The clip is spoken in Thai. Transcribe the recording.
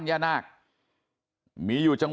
สวัสดีครับคุณผู้ชาย